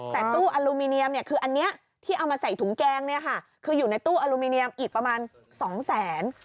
แต่ตู้อลูมิเนียมคืออันนี้ที่เอามาใส่ถุงแกงเนี่ยค่ะคืออยู่ในตู้อลูมิเนียมอีกประมาณ๒แสน